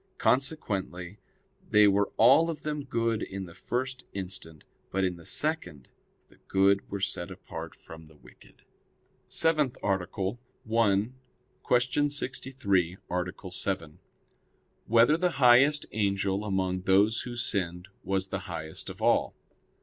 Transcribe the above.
Consequently they were all of them good in the first instant; but in the second the good were set apart from the wicked. _______________________ SEVENTH ARTICLE [I, Q. 63, Art. 7] Whether the Highest Angel Among Those Who Sinned Was the Highest of All?